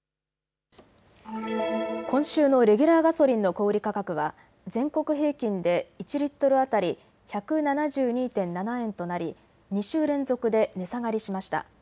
今週のレギュラーガソリンの小売価格は全国平均で１リットル当たり１７２．７円となり２週連続で値下がりしました。